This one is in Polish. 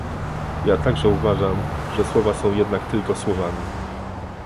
Ja także uważam, ze słowa są jednak tylko słowami